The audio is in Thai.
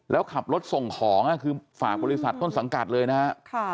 แล้วขับรถส่งของคือฝากบริษัทต้นสังกัดเลยนะฮะ